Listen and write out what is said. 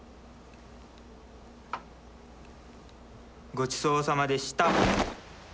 ごちそうさまでした。